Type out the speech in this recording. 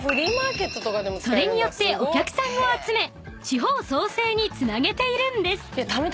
［それによってお客さんを集め地方創生につなげているんです］